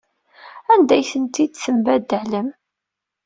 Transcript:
Anda ay tent-tembaddalem?